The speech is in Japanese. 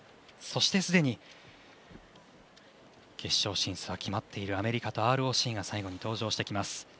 そしてすでに、決勝進出が決まっているアメリカとＲＯＣが最後に登場します。